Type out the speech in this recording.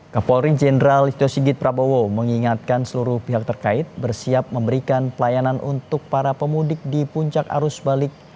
kapolri jenderal listo sigit prabowo mengingatkan seluruh pihak terkait bersiap memberikan pelayanan untuk para pemudik di puncak arus balik